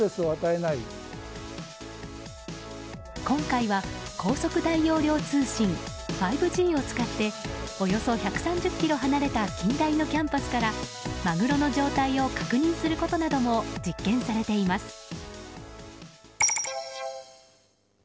今回は高速大容量通信５Ｇを使っておよそ１３０ｋｍ離れた近大のキャンパスからマグロの状態を確認することなども実験されています。